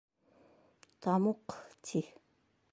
Тамуҡ, ти.